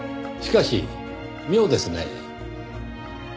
しかし妙ですねぇ。